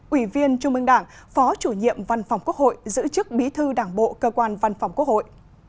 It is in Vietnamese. ủy viên trung ương đảng phó chủ nhiệm văn phòng quốc hội giữ chức bí thư đảng bộ cơ quan văn phòng quốc hội